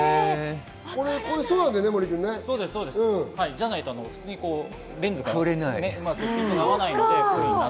じゃないと普通にレンズがうまく合わないので。